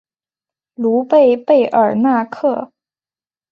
卢贝贝尔纳克。